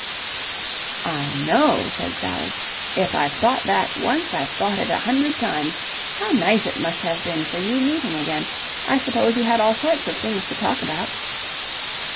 "I know," said Sally. "If I've thought that once, I've thought it a hundred times. How nice it must have been for you meeting again. I suppose you had all sorts of things to talk about?"